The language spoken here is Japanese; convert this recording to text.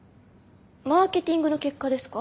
マーケティングの結果ですか？